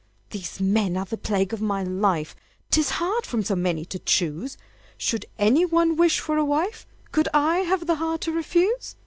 These men are the plague of my life: 'Tis hard from so many to choose! Should any one wish for a wife, Could I have the heart to refuse?